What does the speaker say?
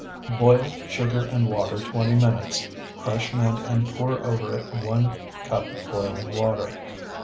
Boil sugar and water twenty minutes; crush mint and pour over it one cup boiling water.